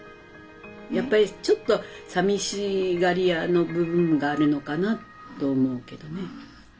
やっぱりちょっとさみしがりやの部分があるのかなと思うけどね。